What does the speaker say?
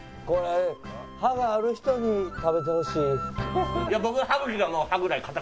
これ歯がある人に食べてほしい。